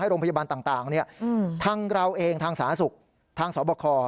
ให้โรงพยาบาลต่างทั้งเราเองทางสหสุทธิ์ทางสบค